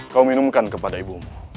kau minumkan kepada ibumu